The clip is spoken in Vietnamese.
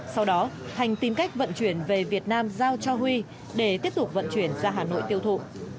sau đó thành tìm cách vận chuyển về việt nam giao cho huy để tiếp tục vận chuyển ra hà nội tiêu thụ